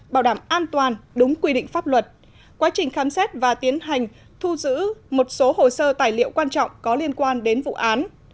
bảo đảm an toàn đúng quy định pháp luật quá trình khám xét và tiến hành thu giữ một số hồ sơ tài liệu quan trọng có liên quan đến vụ án